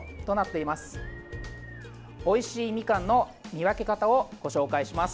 おいしいみかんの見分け方をご紹介します。